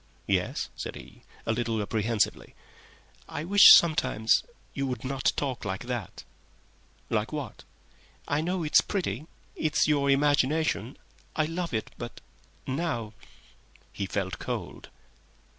"Yes?" he said, a little apprehensively. "I wish sometimes—you would not talk like that." "Like what?" "I know it's pretty—it's your imagination. I love it, but now—" He felt cold.